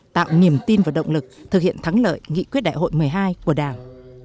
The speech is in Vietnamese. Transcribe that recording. tạo niềm tin và động lực thực hiện thắng lợi nghị quyết đại hội một mươi hai của đảng